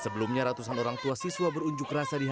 sebelumnya ratusan orang tua siswa berunjuk rasa di